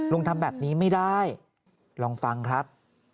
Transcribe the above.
ทำแบบนี้ไม่ได้ลองฟังครับ